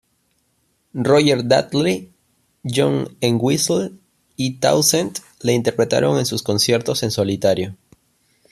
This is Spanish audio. Roger Daltrey, John Entwistle y Townshend la interpretaron en sus conciertos en solitario.